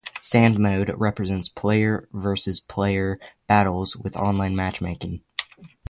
Sand mode represents player versus player battles with online matchmaking.